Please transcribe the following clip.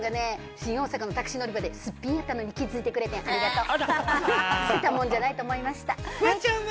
井上くんがね、新大阪のタクシー乗り場でスッピンやったのに気ぃついてくれてん、ありがとう。